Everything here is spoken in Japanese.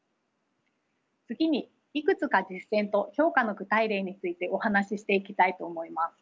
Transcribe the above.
次にいくつか実践と評価の具体例についてお話ししていきたいと思います。